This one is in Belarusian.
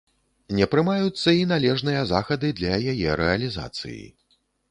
Не прымаюцца і належныя захады для яе рэалізацыі.